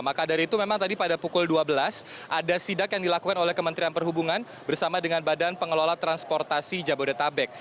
maka dari itu memang tadi pada pukul dua belas ada sidak yang dilakukan oleh kementerian perhubungan bersama dengan badan pengelola transportasi jabodetabek